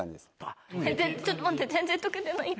ちょっと待って。